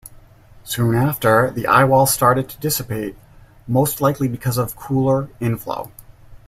Soon after, the eyewall started to dissipate, most likely because of cooler inflow.